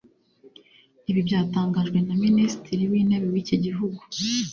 Ibi byatangajwe na minisitiri w’intebe w’iki gihugu